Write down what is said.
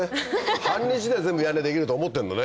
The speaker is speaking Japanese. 半日で全部屋根できると思ってんのね。